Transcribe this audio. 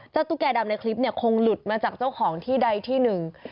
ตุ๊กแก่ดำในคลิปเนี่ยคงหลุดมาจากเจ้าของที่ใดที่หนึ่ง